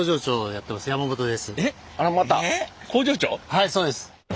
はいそうです。